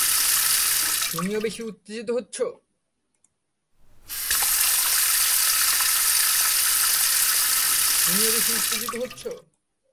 তুমিও বেশি উত্তেজিত হচ্ছ?